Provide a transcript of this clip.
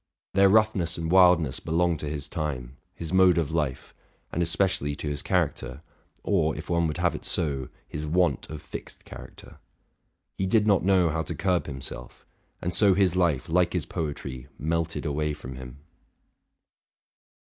Their roughness and wildness belong to his time, his mode of life, and especially to his character, or, if one would have it so, his want of fixed character. He did not know how to curb himself; and so his life, like his poetry, melted away from him.